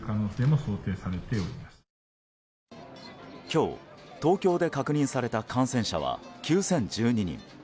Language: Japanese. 今日、東京で確認された感染者は９０１２人。